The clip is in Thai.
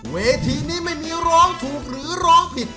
เวทีนี้ไม่มีร้องถูกหรือร้องผิด